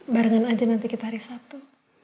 barengan aja nanti kita hari sabtu